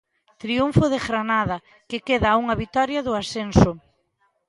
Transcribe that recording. Triunfo de Granada que queda a unha vitoria do ascenso.